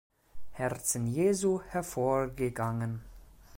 Herzen Jesu hervorgegangen.